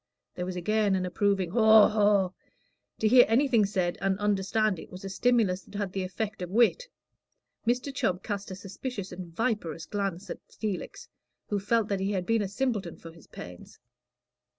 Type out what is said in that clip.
There was again an approving "Haw, haw." To hear anything said, and understand it, was a stimulus that had the effect of wit. Mr. Chubb cast a suspicious and viperous glance at Felix, who felt that he had been a simpleton for his pains.